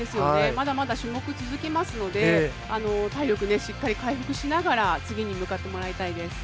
まだまだ種目続きますので体力しっかり回復しながら次に向かってもらいたいです。